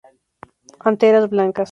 Anteras blancas.